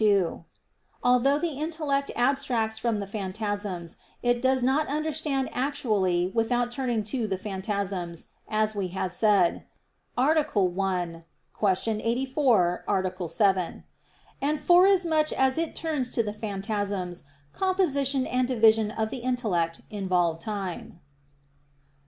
2: Although the intellect abstracts from the phantasms, it does not understand actually without turning to the phantasms, as we have said (A. 1; Q. 84, A. 7). And forasmuch as it turns to the phantasms, composition and division of the intellect involve time.